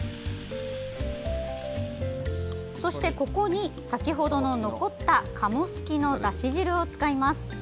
そして、ここに先ほどの残った鴨好きの、だし汁を使います。